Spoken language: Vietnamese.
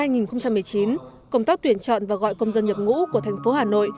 năm hai nghìn một mươi chín công tác tuyển chọn và gọi công dân nhập ngũ của thành phố hà nội